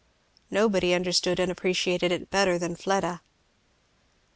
Nobody understood and appreciated it better than Fleda.